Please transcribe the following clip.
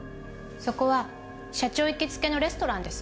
そこは社長行きつけのレストランです。